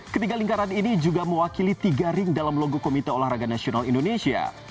ketiga lingkaran ini juga mewakili tiga ring dalam logo komite olahraga nasional indonesia